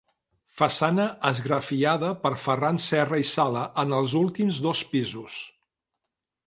Façana esgrafiada per Ferran Serra i Sala en els últims dos pisos.